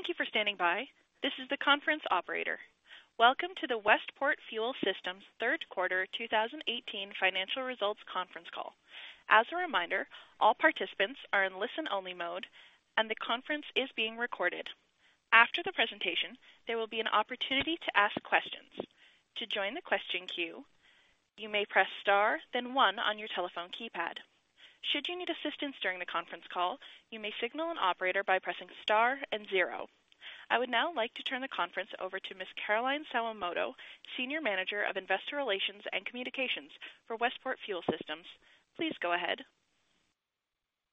Thank you for standing by. This is the conference operator. Welcome to the Westport Fuel Systems third quarter 2018 financial results conference call. As a reminder, all participants are in listen-only mode, and the conference is being recorded. After the presentation, there will be an opportunity to ask questions. To join the question queue, you may press star then one on your telephone keypad. Should you need assistance during the conference call, you may signal an operator by pressing star and zero. I would now like to turn the conference over to Ms. Caroline Sawamoto, Senior Manager of Investor Relations and Communications for Westport Fuel Systems. Please go ahead.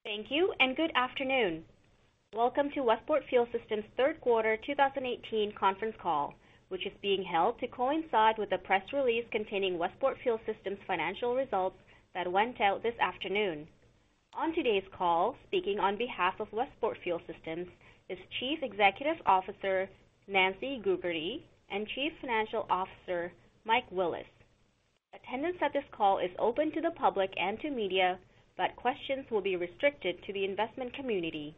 Thank you. Good afternoon. Welcome to Westport Fuel Systems third quarter 2018 conference call, which is being held to coincide with the press release containing Westport Fuel Systems financial results that went out this afternoon. On today's call, speaking on behalf of Westport Fuel Systems is Chief Executive Officer, Nancy Gougarty, and Chief Financial Officer, Mike Willis. Attendance at this call is open to the public and to media, but questions will be restricted to the investment community.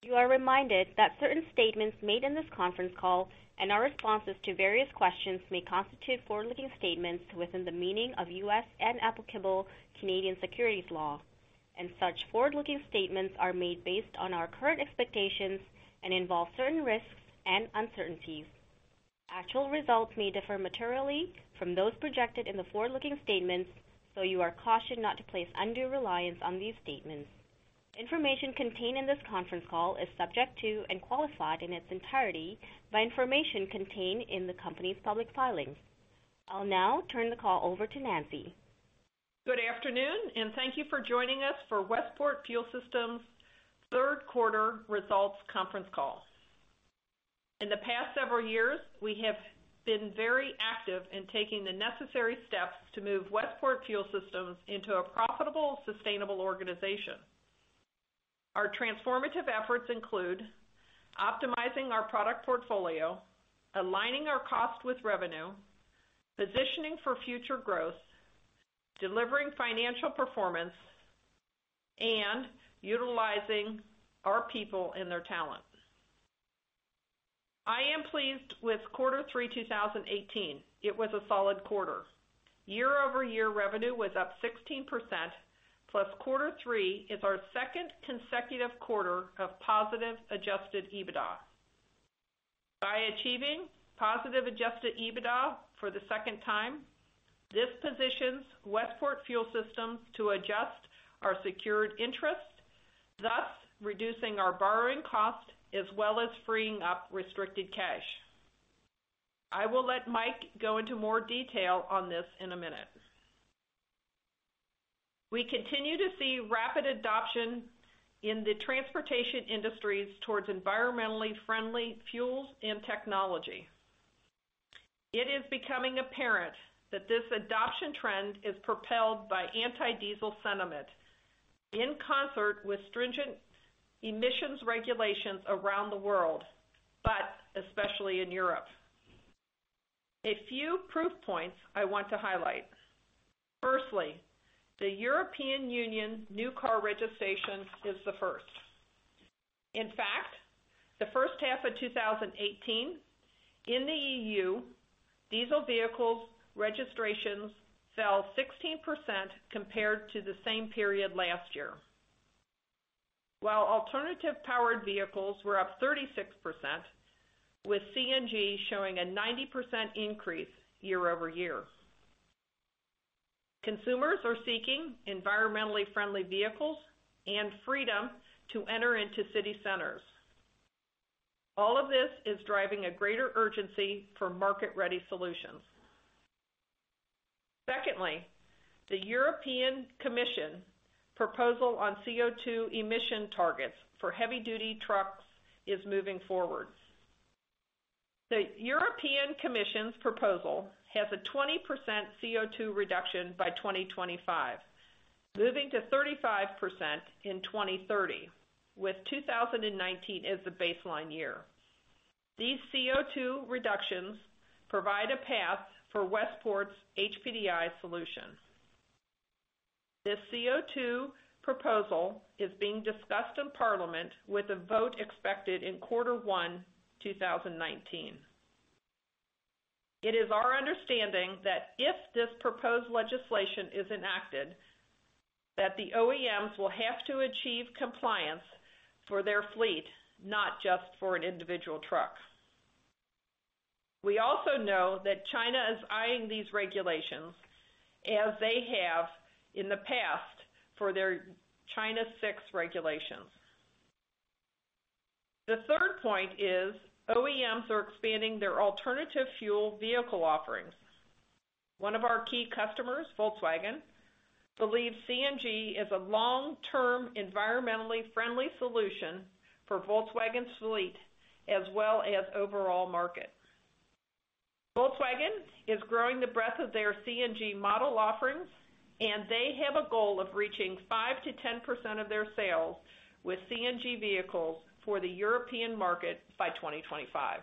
You are reminded that certain statements made in this conference call and our responses to various questions may constitute forward-looking statements within the meaning of U.S. and applicable Canadian securities law. Such forward-looking statements are made based on our current expectations and involve certain risks and uncertainties. Actual results may differ materially from those projected in the forward-looking statements, you are cautioned not to place undue reliance on these statements. Information contained in this conference call is subject to and qualified in its entirety by information contained in the company's public filings. I'll now turn the call over to Nancy. Good afternoon. Thank you for joining us for Westport Fuel Systems third quarter results conference call. In the past several years, we have been very active in taking the necessary steps to move Westport Fuel Systems into a profitable, sustainable organization. Our transformative efforts include optimizing our product portfolio, aligning our cost with revenue, positioning for future growth, delivering financial performance, and utilizing our people and their talent. I am pleased with quarter three 2018. It was a solid quarter. Year-over-year revenue was up 16%, plus quarter three is our second consecutive quarter of positive adjusted EBITDA. By achieving positive adjusted EBITDA for the second time, this positions Westport Fuel Systems to adjust our secured interest, thus reducing our borrowing cost as well as freeing up restricted cash. I will let Mike go into more detail on this in a minute. We continue to see rapid adoption in the transportation industries towards environmentally friendly fuels and technology. It is becoming apparent that this adoption trend is propelled by anti-diesel sentiment in concert with stringent emissions regulations around the world, but especially in Europe. A few proof points I want to highlight. Firstly, the European Union new car registration is the first. In fact, the first half of 2018, in the EU, diesel vehicles registrations fell 16% compared to the same period last year. While alternative powered vehicles were up 36%, with CNG showing a 90% increase year-over-year. Consumers are seeking environmentally friendly vehicles and freedom to enter into city centers. All of this is driving a greater urgency for market-ready solutions. Secondly, the European Commission proposal on CO2 emission targets for heavy-duty trucks is moving forward. The European Commission's proposal has a 20% CO2 reduction by 2025, moving to 35% in 2030, with 2019 as the baseline year. These CO2 reductions provide a path for Westport's HPDI solution. This CO2 proposal is being discussed in Parliament with a vote expected in quarter one 2019. It is our understanding that if this proposed legislation is enacted, that the OEMs will have to achieve compliance for their fleet, not just for an individual truck. We also know that China is eyeing these regulations, as they have in the past for their China VI regulations. The third point is OEMs are expanding their alternative fuel vehicle offerings. One of our key customers, Volkswagen, believes CNG is a long-term environmentally friendly solution for Volkswagen's fleet as well as overall market. Volkswagen is growing the breadth of their CNG model offerings, and they have a goal of reaching 5%-10% of their sales with CNG vehicles for the European market by 2025.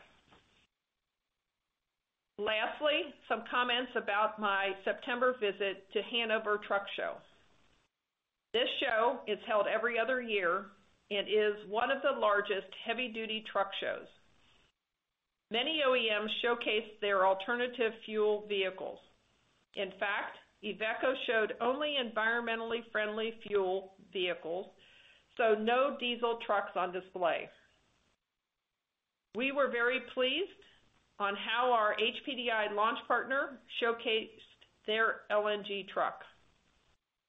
Some comments about my September visit to Hannover Truck Show. This show is held every other year and is one of the largest heavy-duty truck shows. Many OEMs showcase their alternative fuel vehicles. In fact, Iveco showed only environmentally friendly fuel vehicles, so no diesel trucks on display. We were very pleased on how our HPDI launch partner showcased their LNG truck.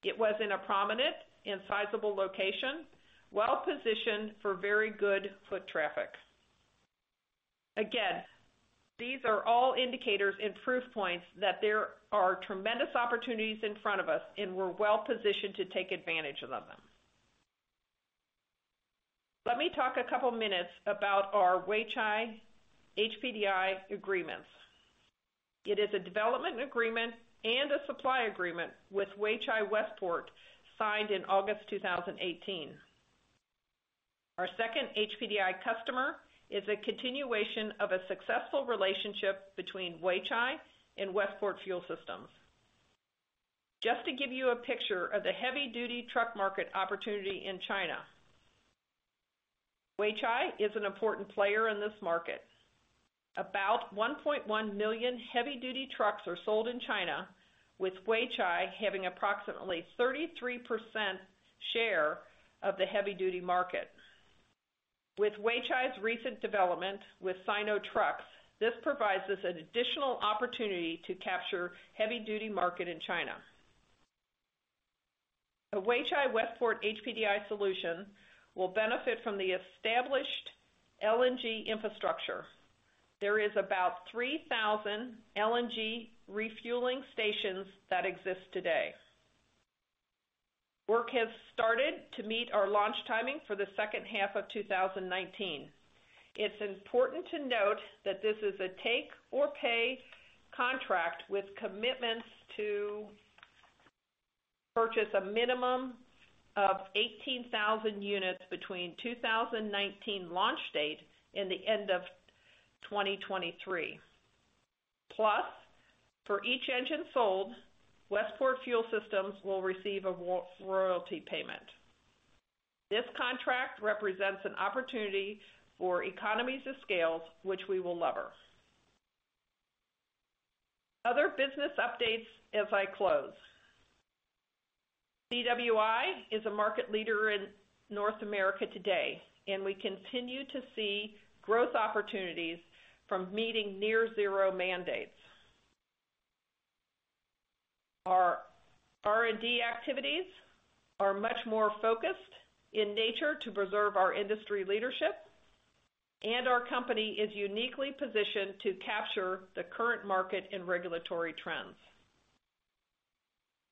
It was in a prominent and sizable location, well-positioned for very good foot traffic. Again, these are all indicators and proof points that there are tremendous opportunities in front of us, and we're well positioned to take advantage of them. Let me talk a couple minutes about our Weichai HPDI agreements. It is a development agreement and a supply agreement with Weichai Westport signed in August 2018. Our second HPDI customer is a continuation of a successful relationship between Weichai and Westport Fuel Systems. Just to give you a picture of the heavy-duty truck market opportunity in China, Weichai is an important player in this market. About 1.1 million heavy-duty trucks are sold in China, with Weichai having approximately 33% share of the heavy-duty market. With Weichai's recent development with Sinotruk, this provides us an additional opportunity to capture heavy-duty market in China. A Weichai Westport HPDI solution will benefit from the established LNG infrastructure. There is about 3,000 LNG refueling stations that exist today. Work has started to meet our launch timing for the second half of 2019. It's important to note that this is a take or pay contract with commitments to purchase a minimum of 18,000 units between 2019 launch date and the end of 2023. Plus, for each engine sold, Westport Fuel Systems will receive a royalty payment. This contract represents an opportunity for economies of scale, which we will lever. Other business updates as I close. CWI is a market leader in North America today, and we continue to see growth opportunities from meeting Near Zero mandates. Our R&D activities are much more focused in nature to preserve our industry leadership, and our company is uniquely positioned to capture the current market and regulatory trends.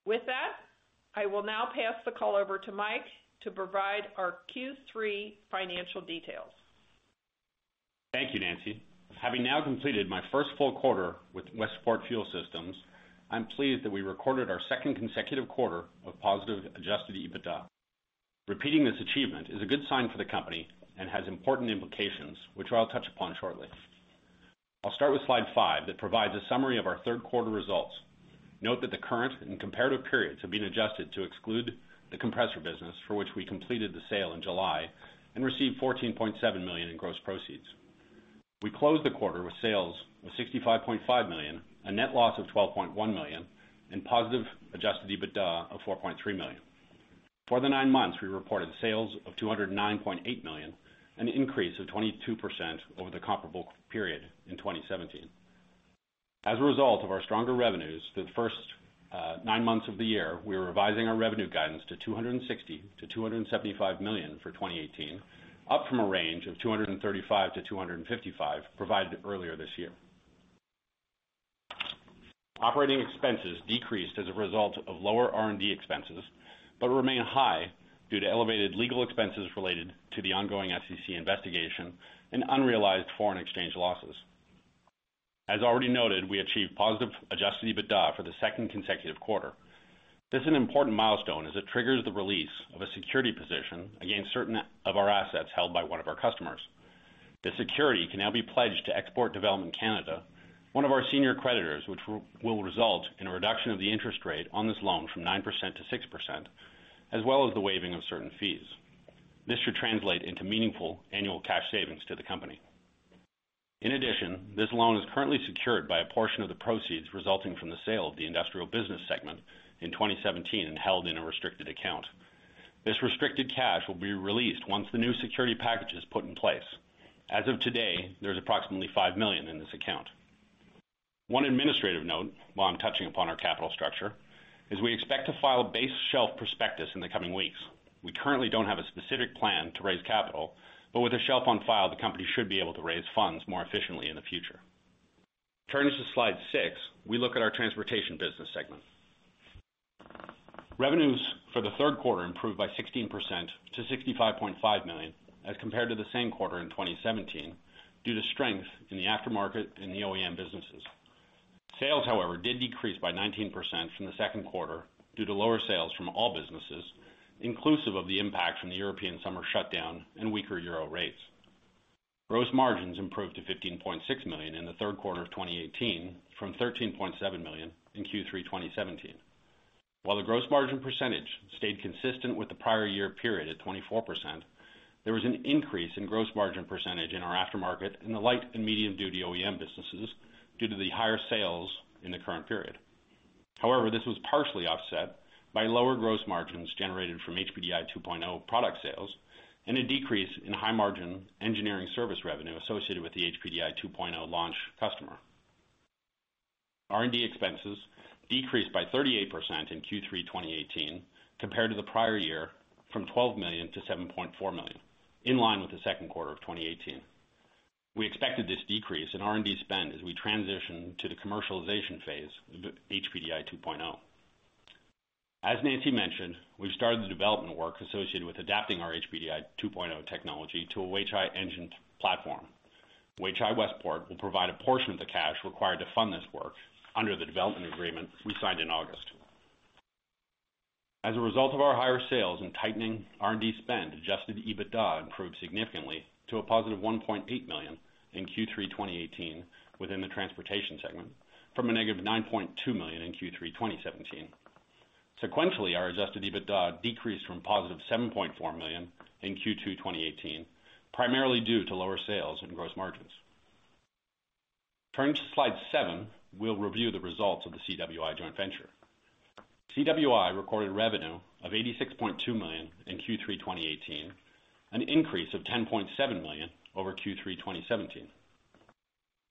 With that, I will now pass the call over to Mike to provide our Q3 financial details. Thank you, Nancy. Having now completed my first full quarter with Westport Fuel Systems, I'm pleased that we recorded our second consecutive quarter of positive adjusted EBITDA. Repeating this achievement is a good sign for the company and has important implications, which I'll touch upon shortly. I'll start with slide five that provides a summary of our third quarter results. Note that the current and comparative periods have been adjusted to exclude the compressor business for which we completed the sale in July and received $14.7 million in gross proceeds. We closed the quarter with sales of $65.5 million, a net loss of $12.1 million, and positive adjusted EBITDA of $4.3 million. For the nine months, we reported sales of $209.8 million, an increase of 22% over the comparable period in 2017. As a result of our stronger revenues for the first nine months of the year, we are revising our revenue guidance to $260 million-$275 million for 2018, up from a range of $235 million-$255 million provided earlier this year. Operating expenses decreased as a result of lower R&D expenses, but remain high due to elevated legal expenses related to the ongoing SEC investigation and unrealized foreign exchange losses. As already noted, we achieved positive adjusted EBITDA for the second consecutive quarter. This is an important milestone as it triggers the release of a security position against certain of our assets held by one of our customers. The security can now be pledged to Export Development Canada, one of our senior creditors, which will result in a reduction of the interest rate on this loan from 9% to 6%, as well as the waiving of certain fees. This should translate into meaningful annual cash savings to the company. In addition, this loan is currently secured by a portion of the proceeds resulting from the sale of the industrial business segment in 2017 and held in a restricted account. This restricted cash will be released once the new security package is put in place. As of today, there's approximately $5 million in this account. One administrative note while I'm touching upon our capital structure, is we expect to file a base shelf prospectus in the coming weeks. We currently don't have a specific plan to raise capital, but with a shelf on file, the company should be able to raise funds more efficiently in the future. Turning to slide six, we look at our transportation business segment. Revenues for the third quarter improved by 16% to $65.5 million as compared to the same quarter in 2017 due to strength in the aftermarket and the OEM businesses. Sales, however, did decrease by 19% from the second quarter due to lower sales from all businesses, inclusive of the impact from the European summer shutdown and weaker euro rates. Gross margins improved to $15.6 million in the third quarter of 2018 from $13.7 million in Q3 2017. While the gross margin percentage stayed consistent with the prior year period at 24%, there was an increase in gross margin percentage in our aftermarket in the light and medium duty OEM businesses due to the higher sales in the current period. However, this was partially offset by lower gross margins generated from HPDI 2.0 product sales and a decrease in high margin engineering service revenue associated with the HPDI 2.0 launch customer. R&D expenses decreased by 38% in Q3 2018 compared to the prior year, from $12 million to $7.4 million, in line with the second quarter of 2018. We expected this decrease in R&D spend as we transition to the commercialization phase of HPDI 2.0. As Nancy mentioned, we've started the development work associated with adapting our HPDI 2.0 technology to a Weichai engined platform. Weichai Westport will provide a portion of the cash required to fund this work under the development agreement we signed in August. As a result of our higher sales and tightening R&D spend, adjusted EBITDA improved significantly to a +$1.8 million in Q3 2018 within the transportation segment, from a -$9.2 million in Q3 2017. Sequentially, our adjusted EBITDA decreased from +$7.4 million in Q2 2018, primarily due to lower sales and gross margins. Turning to slide seven, we'll review the results of the CWI joint venture. CWI recorded revenue of $86.2 million in Q3 2018, an increase of $10.7 million over Q3 2017.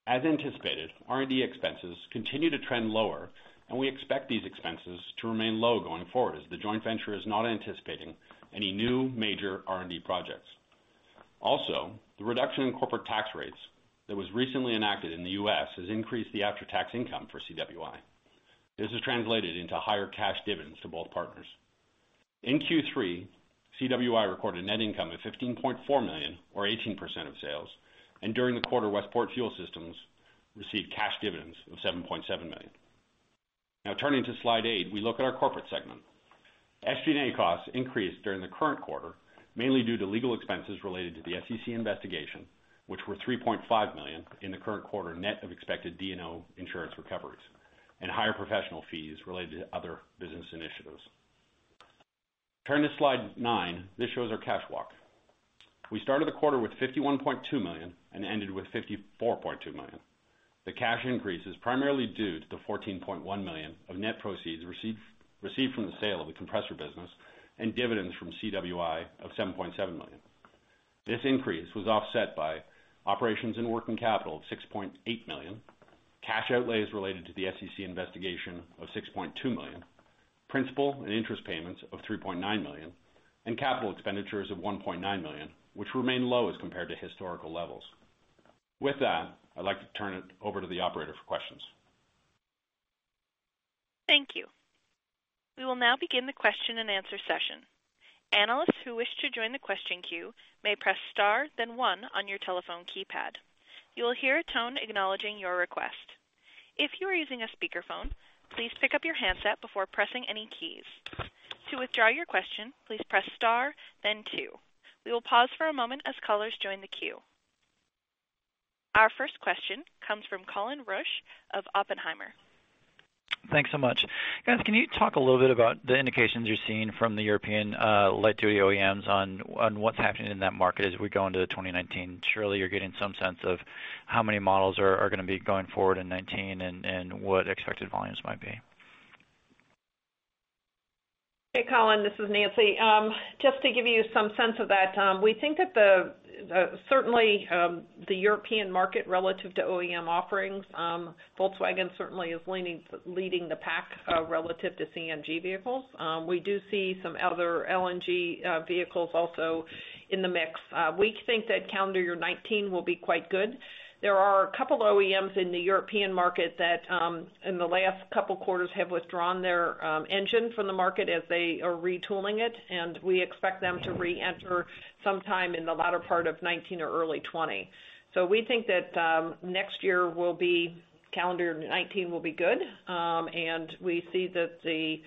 As anticipated, R&D expenses continue to trend lower, and we expect these expenses to remain low going forward as the joint venture is not anticipating any new major R&D projects. Also, the reduction in corporate tax rates that was recently enacted in the U.S. has increased the after-tax income for CWI. This has translated into higher cash dividends to both partners. In Q3, CWI recorded net income of $15.4 million, or 18% of sales, and during the quarter, Westport Fuel Systems received cash dividends of $7.7 million. Turning to slide eight, we look at our corporate segment. SG&A costs increased during the current quarter, mainly due to legal expenses related to the SEC investigation, which were $3.5 million in the current quarter net of expected D&O insurance recoveries and higher professional fees related to other business initiatives. Turning to slide nine, this shows our cash walk. We started the quarter with $51.2 million and ended with $54.2 million. The cash increase is primarily due to the $14.1 million of net proceeds received from the sale of the compressor business and dividends from CWI of $7.7 million. This increase was offset by operations and working capital of $6.8 million, cash outlays related to the SEC investigation of $6.2 million, principal and interest payments of $3.9 million, and capital expenditures of $1.9 million, which remain low as compared to historical levels. With that, I'd like to turn it over to the operator for questions. Thank you. We will now begin the question and answer session. Analysts who wish to join the question queue may press star then one on your telephone keypad. You will hear a tone acknowledging your request. If you are using a speakerphone, please pick up your handset before pressing any keys. To withdraw your question, please press star then two. We will pause for a moment as callers join the queue. Our first question comes from Colin Rusch of Oppenheimer. Thanks so much. Guys, can you talk a little bit about the indications you're seeing from the European light duty OEMs on what's happening in that market as we go into 2019? Surely you're getting some sense of how many models are going to be going forward in 2019 and what expected volumes might be. Hey, Colin, this is Nancy. Just to give you some sense of that, we think that certainly, the European market relative to OEM offerings, Volkswagen certainly is leading the pack relative to CNG vehicles. We do see some other LNG vehicles also in the mix. We think that calendar year 2019 will be quite good. There are a couple of OEMs in the European market that in the last couple of quarters have withdrawn their engine from the market as they are retooling it, and we expect them to re-enter sometime in the latter part of 2019 or early 2020. We think that next year, calendar 2019 will be good. We see that the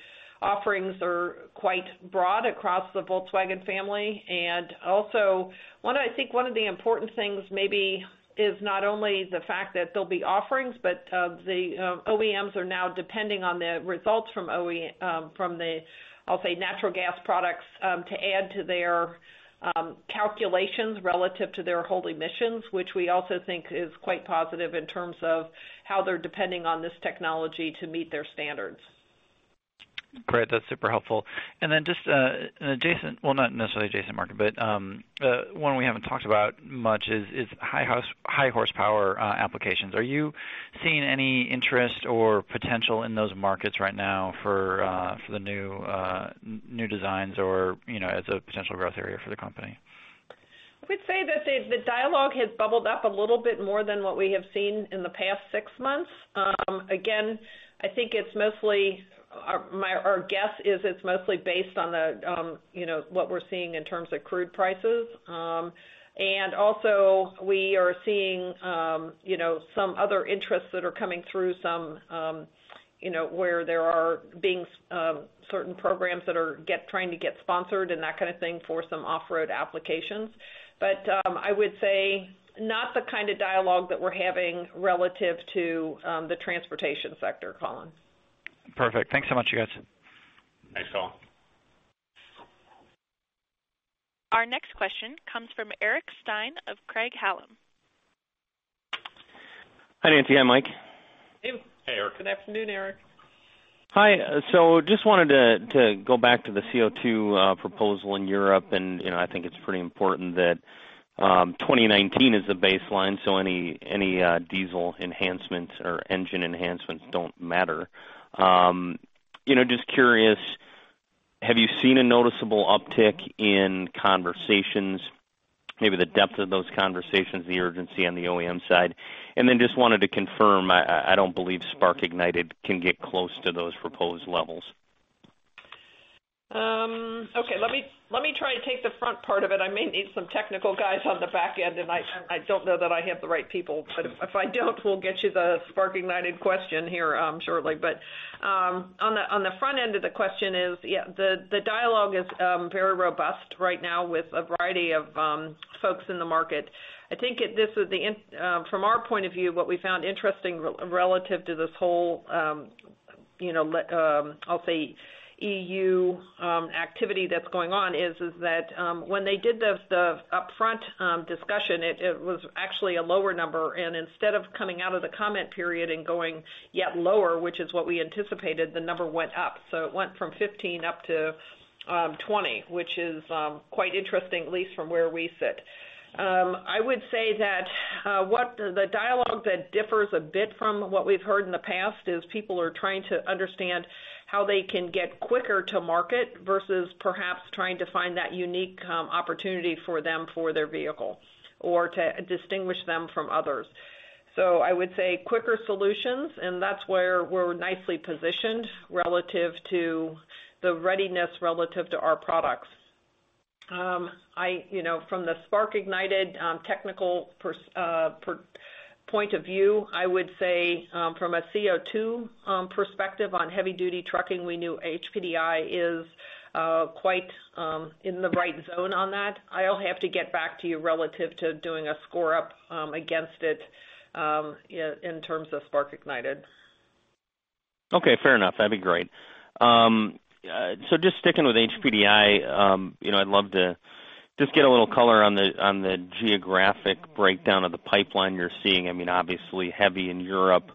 offerings are quite broad across the Volkswagen family. Also, I think one of the important things maybe is not only the fact that there'll be offerings, but the OEMs are now depending on the results from the natural gas products to add to their calculations relative to their whole emissions, which we also think is quite positive in terms of how they're depending on this technology to meet their standards. Great. That's super helpful. Just an adjacent, well, not necessarily adjacent market, but one we haven't talked about much is high horsepower applications. Are you seeing any interest or potential in those markets right now for the new designs or as a potential growth area for the company? I would say that the dialogue has bubbled up a little bit more than what we have seen in the past six months. Our guess is it's mostly based on what we're seeing in terms of crude prices. We are seeing some other interests that are coming through some where there are being certain programs that are trying to get sponsored and that kind of thing for some off-road applications. I would say not the kind of dialogue that we're having relative to the transportation sector, Colin. Perfect. Thanks so much, you guys. Thanks, Colin. Our next question comes from Eric Stine of Craig-Hallum. Hi, Nancy and Mike. Hey. Hey, Eric. Good afternoon, Eric. Hi. Just wanted to go back to the CO2 proposal in Europe, I think it's pretty important that 2019 is the baseline, so any diesel enhancements or engine enhancements don't matter. Just curious, have you seen a noticeable uptick in conversations, maybe the depth of those conversations, the urgency on the OEM side? Just wanted to confirm, I don't believe spark-ignited can get close to those proposed levels. Okay. Let me try to take the front part of it. I may need some technical guys on the back end, and I don't know that I have the right people. If I don't, we'll get you the spark-ignited question here shortly. On the front end of the question is, yeah, the dialogue is very robust right now with a variety of folks in the market. I think from our point of view, what we found interesting relative to this whole I'll say EU activity that's going on is that when they did the upfront discussion, it was actually a lower number, and instead of coming out of the comment period and going yet lower, which is what we anticipated, the number went up. It went from 15% up to 20%, which is quite interesting, at least from where we sit. I would say that the dialogue that differs a bit from what we've heard in the past is people are trying to understand how they can get quicker to market versus perhaps trying to find that unique opportunity for them for their vehicle, or to distinguish them from others. I would say quicker solutions, and that's where we're nicely positioned relative to the readiness relative to our products. From the spark-ignited technical point of view, I would say from a CO2 perspective on heavy-duty trucking, we knew HPDI is quite in the right zone on that. I'll have to get back to you relative to doing a score up against it in terms of spark-ignited. Okay, fair enough. That'd be great. Just sticking with HPDI, I'd love to just get a little color on the geographic breakdown of the pipeline you're seeing. Obviously heavy in Europe,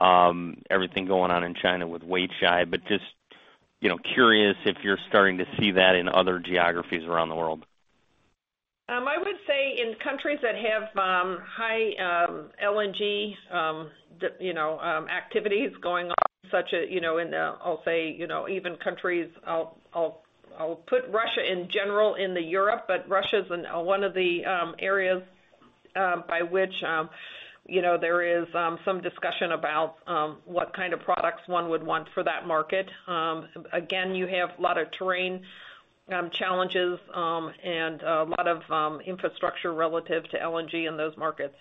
everything going on in China with Weichai, just curious if you're starting to see that in other geographies around the world. I would say in countries that have high LNG activities going on, such as in, I'll say, even countries I'll put Russia in general into Europe, Russia's one of the areas by which there is some discussion about what kind of products one would want for that market. Again, you have a lot of terrain challenges, and a lot of infrastructure relative to LNG in those markets.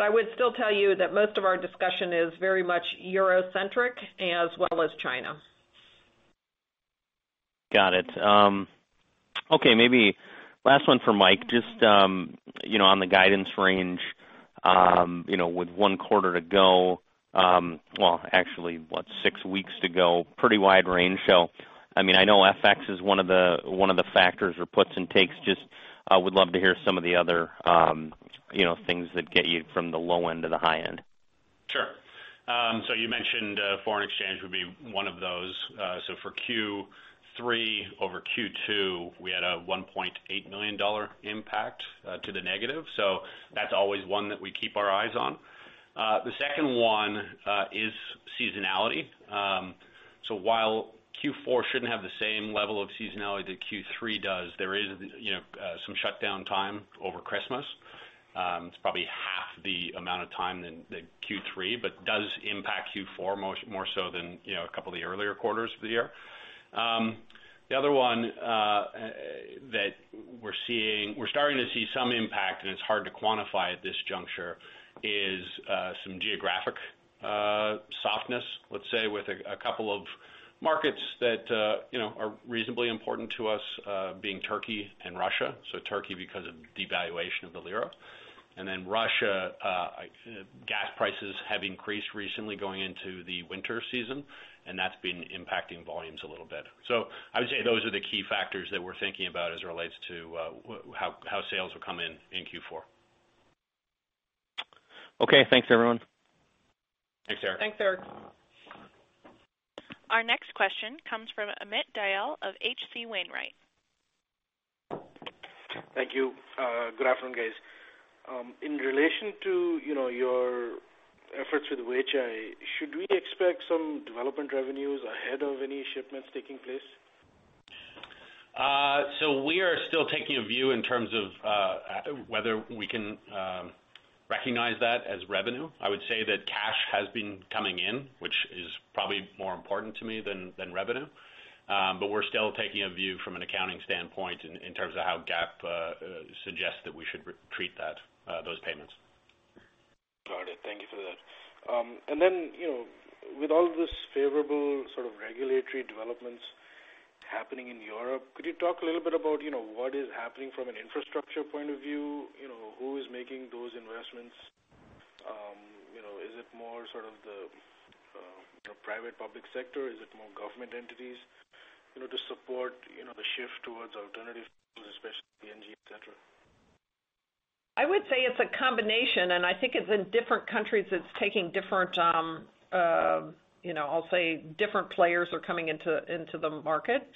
I would still tell you that most of our discussion is very much Eurocentric as well as China. Got it. Okay, maybe last one for Mike. Just on the guidance range, with one quarter to go, well, actually what, six weeks to go, pretty wide range. I know FX is one of the factors or puts and takes, just I would love to hear some of the other things that get you from the low end to the high end. Sure. You mentioned foreign exchange would be one of those. For Q3 over Q2, we had a $1.8 million impact to the negative. That's always one that we keep our eyes on. The second one is seasonality. While Q4 shouldn't have the same level of seasonality that Q3 does, there is some shutdown time over Christmas. It's probably half the amount of time than Q3, does impact Q4 more so than a couple of the earlier quarters of the year. The other one that we're starting to see some impact, and it's hard to quantify at this juncture, is some geographic softness, let's say, with a couple of markets that are reasonably important to us being Turkey and Russia. Turkey because of devaluation of the lira. Russia, gas prices have increased recently going into the winter season, and that's been impacting volumes a little bit. I would say those are the key factors that we're thinking about as it relates to how sales will come in in Q4. Okay, thanks everyone. Thanks, Eric. Thanks, Eric. Our next question comes from Amit Dayal of H.C. Wainwright. Thank you. Good afternoon, guys. In relation to your efforts with Weichai, should we expect some development revenues ahead of any shipments taking place? We are still taking a view in terms of whether we can recognize that as revenue. I would say that cash has been coming in, which is probably more important to me than revenue. We're still taking a view from an accounting standpoint in terms of how GAAP suggests that we should treat those payments. Got it. Thank you for that. With all this favorable sort of regulatory developments happening in Europe, could you talk a little bit about what is happening from an infrastructure point of view? Who is making those investments? Is it more sort of the private public sector? Is it more government entities to support the shift towards alternative fuels, especially LNG, et cetera? I would say it's a combination. I think it's in different countries it's taking different, I'll say different players are coming into the market.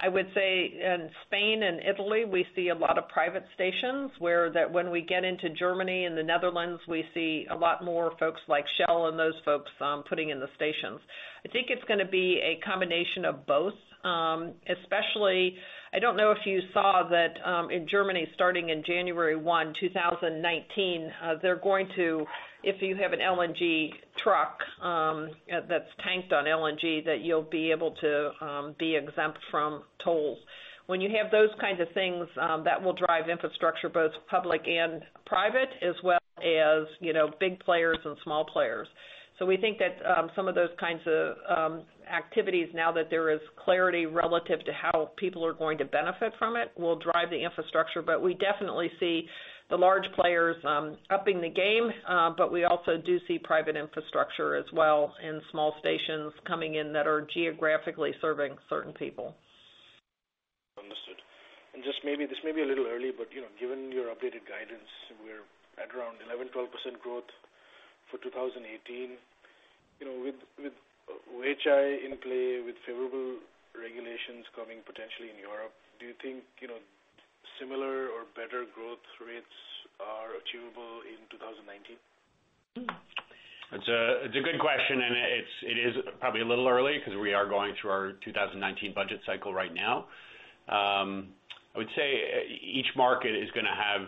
I would say in Spain and Italy, we see a lot of private stations, where when we get into Germany and the Netherlands, we see a lot more folks like Shell and those folks putting in the stations. I think it's going to be a combination of both. Especially, I don't know if you saw that in Germany, starting in January 1, 2019, they're going to, if you have an LNG truck that's tanked on LNG, that you'll be able to be exempt from tolls. You have those kinds of things that will drive infrastructure, both public and private, as well as big players and small players. We think that some of those kinds of activities now that there is clarity relative to how people are going to benefit from it will drive the infrastructure. We definitely see the large players upping the game. We also do see private infrastructure as well and small stations coming in that are geographically serving certain people. Understood. This may be a little early, but given your updated guidance, we're at around 11%-12% growth for 2018. With Weichai in play, with favorable regulations coming potentially in Europe, do you think similar or better growth rates are achievable in 2019? It's a good question. It is probably a little early because we are going through our 2019 budget cycle right now. I would say each market is going to have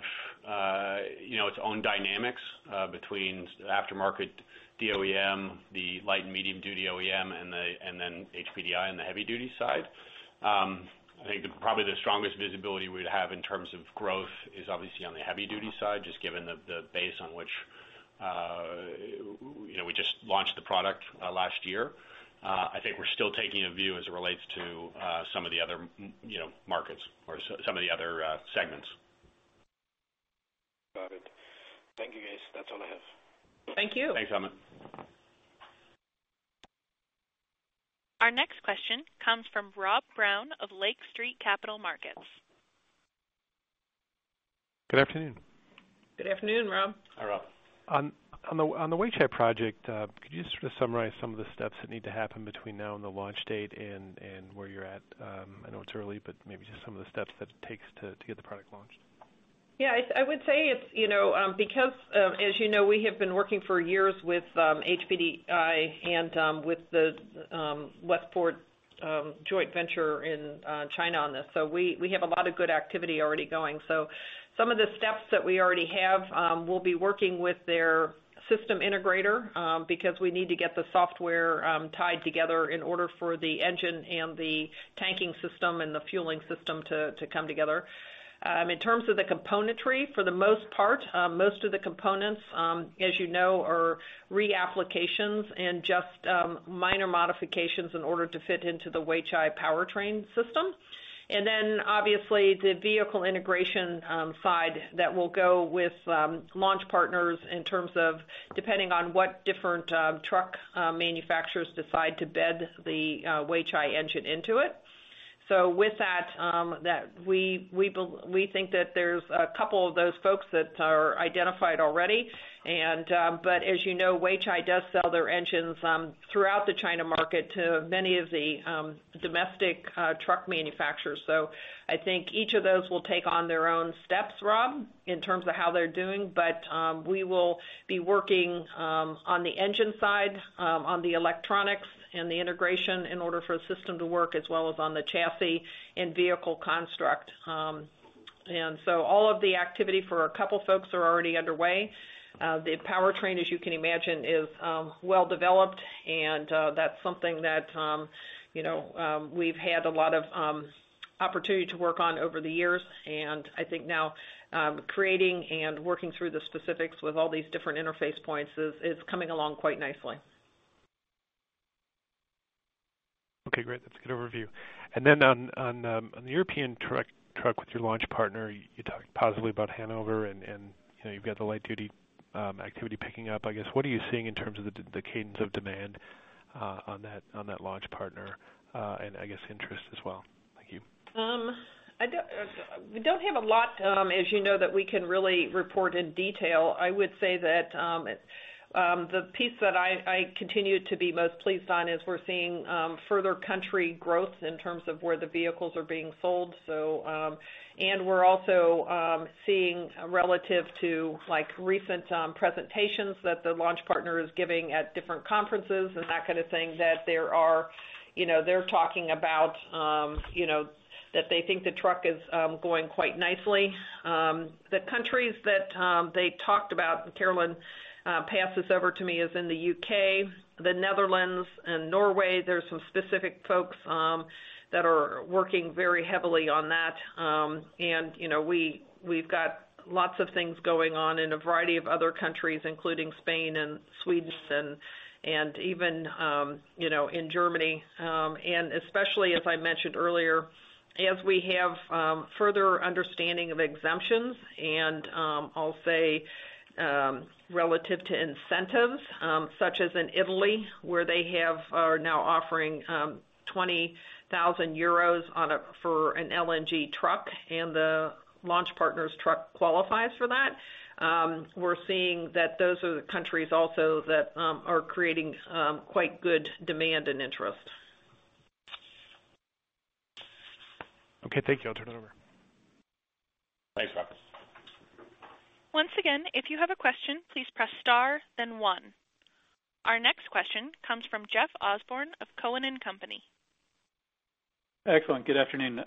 its own dynamics between aftermarket OEM, the light and medium-duty OEM, and then HPDI on the heavy duty side. I think probably the strongest visibility we'd have in terms of growth is obviously on the heavy duty side, just given the base on which we just launched the product last year. I think we're still taking a view as it relates to some of the other markets or some of the other segments. Got it. Thank you guys. That's all I have. Thank you. Thanks, Amit. Our next question comes from Rob Brown of Lake Street Capital Markets. Good afternoon. Good afternoon, Rob. Hi, Rob. On the Weichai project, could you just sort of summarize some of the steps that need to happen between now and the launch date and where you're at? I know it's early, but maybe just some of the steps that it takes to get the product launched. Yeah, I would say it's because as you know, we have been working for years with HPDI and with the Westport joint venture in China on this. We have a lot of good activity already going. Some of the steps that we already have will be working with their system integrator because we need to get the software tied together in order for the engine and the tanking system and the fueling system to come together. In terms of the componentry, for the most part, most of the components as you know, are reapplications and just minor modifications in order to fit into the Weichai powertrain system. Obviously the vehicle integration side that will go with launch partners in terms of depending on what different truck manufacturers decide to bed the Weichai engine into it. With that, we think that there's a couple of those folks that are identified already. As you know, Weichai does sell their engines throughout the China market to many of the domestic truck manufacturers. I think each of those will take on their own steps, Rob, in terms of how they're doing. We will be working on the engine side, on the electronics, and the integration in order for the system to work as well as on the chassis and vehicle construct. All of the activity for a couple folks are already underway. The powertrain, as you can imagine, is well developed and that's something that we've had a lot of opportunity to work on over the years. I think now creating and working through the specifics with all these different interface points is coming along quite nicely. Okay, great. That's a good overview. On the European truck with your launch partner, you talked positively about Hannover and you've got the light duty activity picking up, I guess. What are you seeing in terms of the cadence of demand on that launch partner and I guess interest as well? Thank you. We don't have a lot as you know, that we can really report in detail. I would say that the piece that I continue to be most pleased on is we're seeing further country growth in terms of where the vehicles are being sold. We're also seeing relative to recent presentations that the launch partner is giving at different conferences and that kind of thing, that they're talking about that they think the truck is going quite nicely. The countries that they talked about, Caroline, pass this over to me is in the U.K., the Netherlands, and Norway. There's some specific folks that are working very heavily on that. We've got lots of things going on in a variety of other countries, including Spain and Sweden and even in Germany. Especially as I mentioned earlier, as we have further understanding of exemptions, and I'll say, relative to incentives, such as in Italy, where they are now offering 20,000 euros for an LNG truck, and the Launch Partners truck qualifies for that. We're seeing that those are the countries also that are creating quite good demand and interest. Okay, thank you. I'll turn it over. Thanks, Rob. Once again, if you have a question, please press star, then one. Our next question comes from Jeff Osborne of Cowen and Company. Excellent. Good afternoon.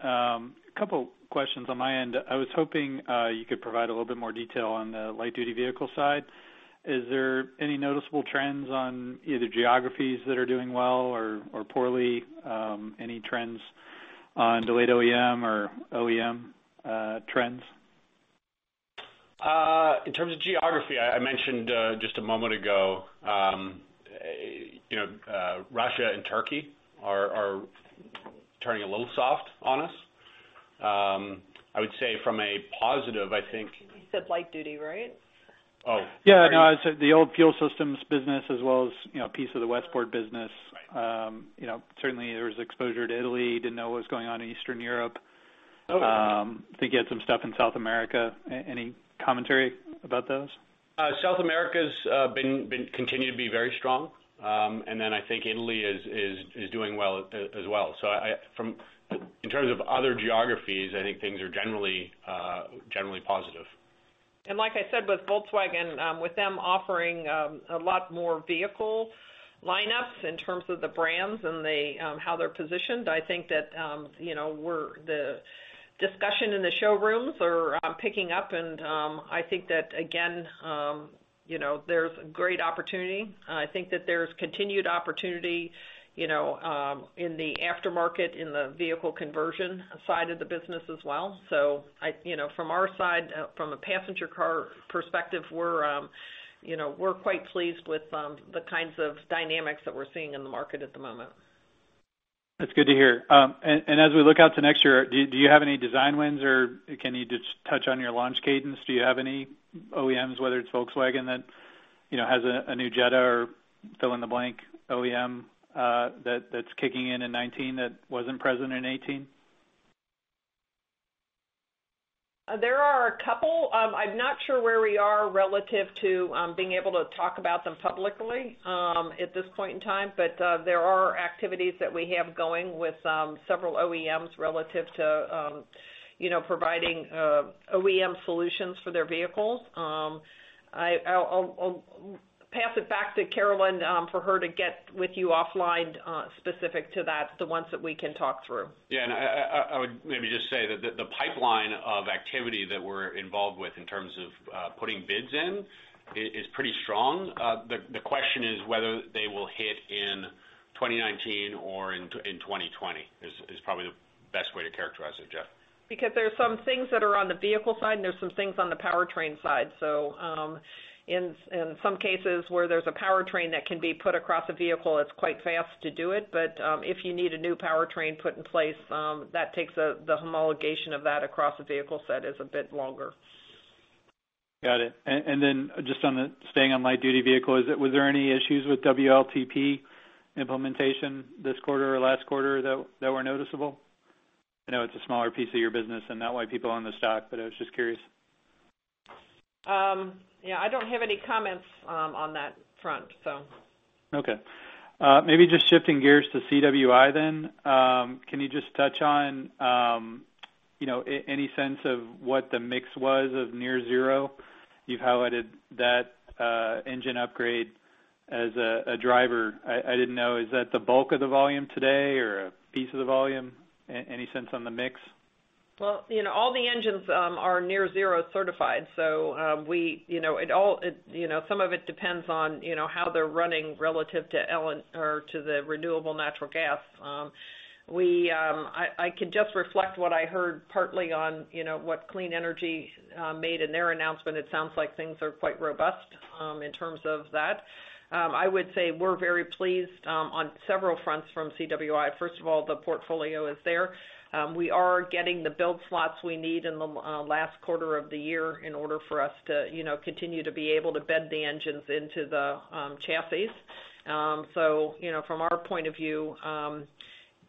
Couple questions on my end. I was hoping you could provide a little bit more detail on the light-duty vehicle side. Is there any noticeable trends on either geographies that are doing well or poorly? Any trends on delayed OEM or OEM trends? In terms of geography, I mentioned just a moment ago, Russia and Turkey are turning a little soft on us. I would say from a positive. You said light-duty, right? Oh. Yeah. No, I said the old fuel systems business as well as a piece of the Westport business. Right. Certainly there was exposure to Italy, didn't know what was going on in Eastern Europe. Okay. Think you had some stuff in South America. Any commentary about those? South America's continued to be very strong. I think Italy is doing well as well. In terms of other geographies, I think things are generally positive. Like I said, with Volkswagen, with them offering a lot more vehicle lineups in terms of the brands and how they're positioned, I think that the discussion in the showrooms are picking up and I think that again there's great opportunity. I think that there's continued opportunity in the aftermarket, in the vehicle conversion side of the business as well. From our side, from a passenger car perspective, we're quite pleased with the kinds of dynamics that we're seeing in the market at the moment. As we look out to next year, do you have any design wins or can you just touch on your launch cadence? Do you have any OEMs, whether it's Volkswagen that has a new Jetta or fill in the blank OEM that's kicking in in 2019 that wasn't present in 2018? There are a couple. I'm not sure where we are relative to being able to talk about them publicly at this point in time. There are activities that we have going with several OEMs relative to providing OEM solutions for their vehicles. I'll pass it back to Caroline for her to get with you offline specific to that, the ones that we can talk through. I would maybe just say that the pipeline of activity that we're involved with in terms of putting bids in is pretty strong. The question is whether they will hit in 2019 or in 2020 is probably the best way to characterize it, Jeff. There are some things that are on the vehicle side and there's some things on the powertrain side. In some cases where there's a powertrain that can be put across a vehicle, it's quite fast to do it. If you need a new powertrain put in place, the homologation of that across a vehicle set is a bit longer. Got it. Just staying on light-duty vehicle, was there any issues with WLTP implementation this quarter or last quarter that were noticeable? I know it's a smaller piece of your business and not why people own the stock, but I was just curious. Yeah, I don't have any comments on that front. Okay. Maybe just shifting gears to CWI then. Can you just touch on any sense of what the mix was of Near Zero? You've highlighted that engine upgrade as a driver. I didn't know, is that the bulk of the volume today or a piece of the volume? Any sense on the mix? Well, all the engines are Near Zero certified. Some of it depends on how they're running relative to the renewable natural gas. I can just reflect what I heard partly on what Clean Energy made in their announcement. It sounds like things are quite robust in terms of that. I would say we're very pleased on several fronts from CWI. First of all, the portfolio is there. We are getting the build slots we need in the last quarter of the year in order for us to continue to be able to bed the engines into the chassis. From our point of view,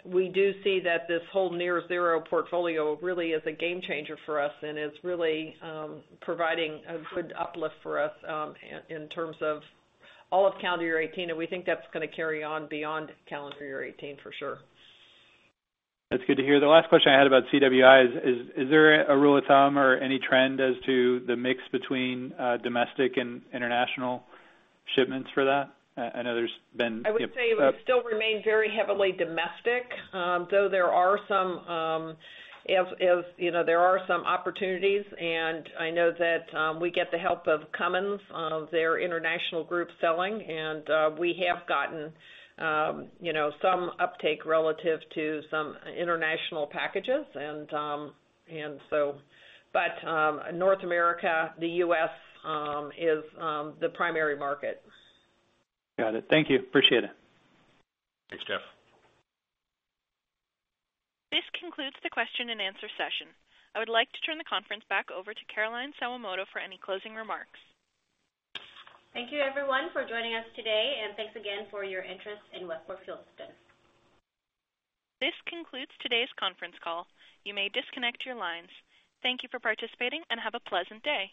we do see that this whole Near Zero portfolio really is a game changer for us and is really providing a good uplift for us in terms of all of calendar year 2018. We think that's going to carry on beyond calendar year 2018 for sure. That's good to hear. The last question I had about CWI is there a rule of thumb or any trend as to the mix between domestic and international shipments for that? I would say we still remain very heavily domestic. There are some opportunities, I know that we get the help of Cummins on their international group selling, and we have gotten some uptake relative to some international packages. North America, the U.S. is the primary market. Got it. Thank you. Appreciate it. Thanks, Jeff. This concludes the question and answer session. I would like to turn the conference back over to Caroline Sawamoto for any closing remarks. Thank you everyone for joining us today, and thanks again for your interest in Westport Fuel Systems. This concludes today's conference call. You may disconnect your lines. Thank you for participating and have a pleasant day.